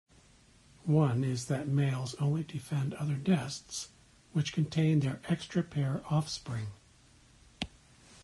One is that males only defend other nests which contain their extra-pair offspring.